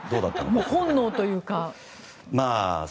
本能というか。